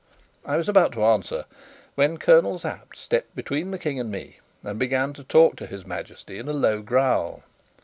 I was about to answer, when Colonel Sapt stepped between the King and me, and began to talk to his Majesty in a low growl.